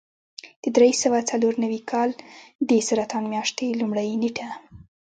د درې سوه څلور نوي کال د سرطان میاشتې لومړۍ نېټه.